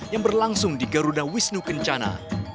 yang berlangsung di garuda wisnu kencana